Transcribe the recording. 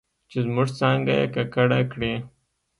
چې زموږ څانګه یې ککړه کړې